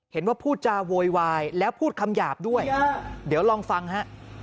พูดจาโวยวายแล้วพูดคำหยาบด้วยเดี๋ยวลองฟังฮะ